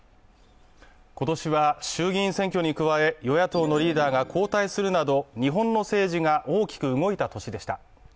今年は衆院選選挙に加え、与野党のリーダーが交代するなど日本の政治が大きく動いた年でした。